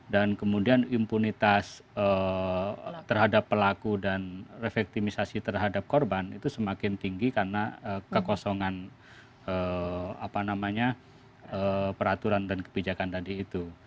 dan kemudian impunitas terhadap pelaku dan reflektimisasi terhadap korban itu semakin tinggi karena kekosongan peraturan dan kebijakan tadi itu